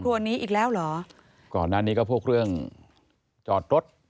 ว่านี่ก็พวกเรื่องจอดรถ